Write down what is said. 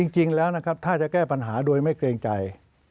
จริงแล้วนะครับถ้าจะแก้ปัญหาโดยไม่เกรงใจ